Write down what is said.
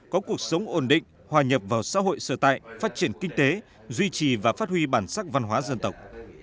có cuộc sống ổn định hòa nhập vào xã hội sở tại phát triển kinh tế duy trì và phát huy bản sắc văn hóa dân tộc